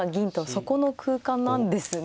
そこの空間なんですね。